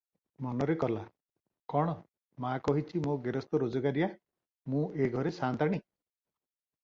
ମନରେ କଲା, "କଣ! ମା କହିଛି, ମୋ ଗେରସ୍ତ ରୋଜଗାରିଆ, ମୁଁ ଏ ଘରେ ସାନ୍ତାଣୀ ।